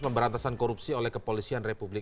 pemberantasan korupsi oleh kepolisian republik